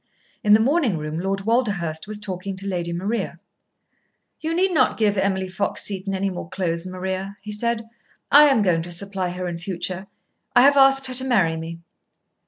In the morning room Lord Walderhurst was talking to Lady Maria. "You need not give Emily Fox Seton any more clothes, Maria," he said. "I am going to supply her in future. I have asked her to marry me."